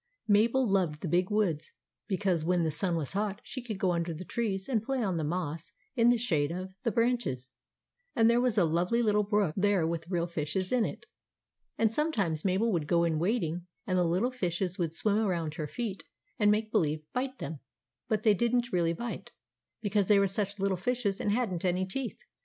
Mabel loved the big woods because when the sun was hot she could go under the 2 THE ADVENTURES OF MABEL trees and play on the moss in the shade of the branches ; and there was a lovely little brook there with real fishes in it, and some times Mabel would go in wading, and the little fishes would swim around her feet and make believe bite them ; but they did n't really bite, because they were such little fishes and had n't any teeth.